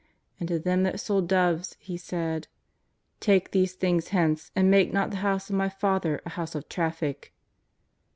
And to them that sold doves He said: ^' Take these things hence and make not the House of My Father a house of traffic."